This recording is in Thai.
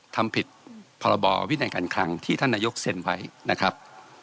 ทำผิดพรบวินัยการคลังที่ท่านนายกเซ็นไว้นะครับ